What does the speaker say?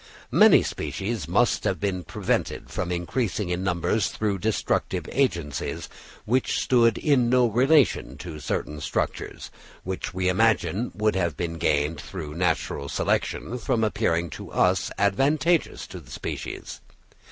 Many species must have been prevented from increasing in numbers through destructive agencies, which stood in no relation to certain structures, which we imagine would have been gained through natural selection from appearing to us advantageous to the species.